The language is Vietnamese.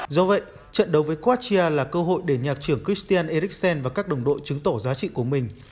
do vậy trận đấu với croatia là cơ hội để nhạc trưởng christian eriksen và các đồng đội chứng tỏ giá trị của mình